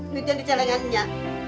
lidah di celengannya